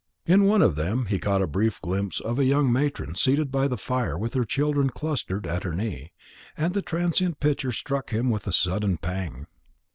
In one of them he caught a brief glimpse of a young matron seated by the fire with her children clustered at her knee, and the transient picture struck him with a sudden pang.